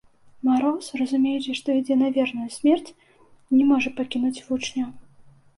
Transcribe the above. Мароз, разумеючы, што ідзе на верную смерць, не можа пакінуць вучняў.